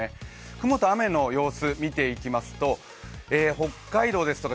雲と雨の様子、見ていきますと北海道ですとか